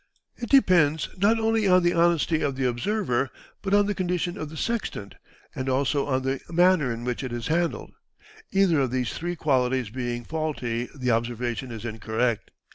It depends not only on the honesty of the observer, but on the condition of the sextant and also on the manner in which it is handled; either of these three qualities being faulty the observation is incorrect.